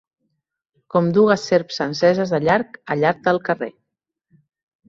Com dugues serps enceses de llarg a llarg del carrer.